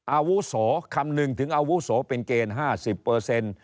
อาวุศโหคำหนึ่งถึงอาวุศโหเป็นเกณฑ์๕๐